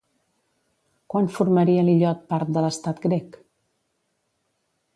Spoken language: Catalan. Quan formaria l'illot part de l'estat grec?